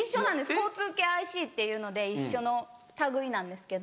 交通系ＩＣっていうので一緒の類いなんですけど。